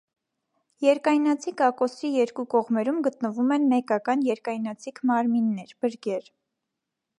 Երկայնաձիգ ակոսի երկու կողմերում գտնվում են մեկական երկայնաձիգ մարմիններ՝ բրգեր։